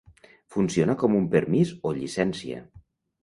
Funciona com un permís o llicència.